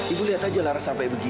ibu lihat aja laras sampai begini